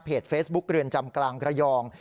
เฟซบุ๊คเรือนจำกลางระยอง